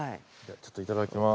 ちょっといただきます。